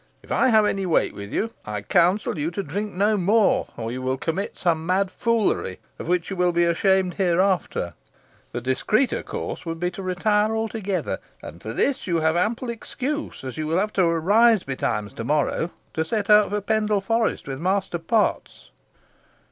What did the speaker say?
If I have any weight with you, I counsel you to drink no more, or you will commit some mad foolery, of which you will be ashamed hereafter. The discreeter course would be to retire altogether; and for this you have ample excuse, as you will have to arise betimes to morrow, to set out for Pendle Forest with Master Potts."